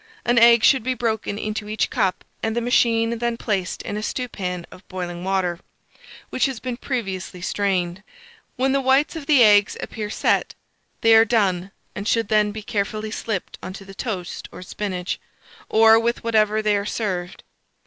An egg should be broken into each cup, and the machine then placed in a stewpan of boiling water, which has been previously strained. When the whites of the eggs appear set, they are done, and should then be carefully slipped on to the toast or spinach, or with whatever they are served.